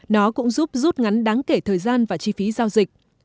nó cũng giúp rút ngắn đáng kể thời gian và chi phí giao dịch